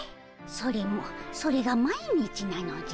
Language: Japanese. それもそれが毎日なのじゃ。